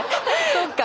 そっか。